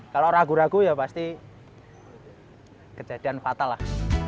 kalau ragu ragu ya pasti kejadian fatal lah